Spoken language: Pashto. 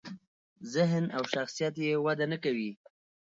ذهن او شخصیت یې وده نکوي.